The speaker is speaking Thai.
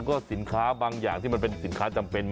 ก็สินค้าบางอย่างที่มันเป็นสินค้าจำเป็น